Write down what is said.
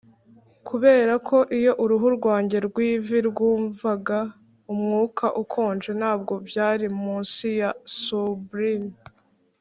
kuberako iyo uruhu rwanjye rwivi rwumvaga umwuka ukonje, ntabwo byari munsi ya sublime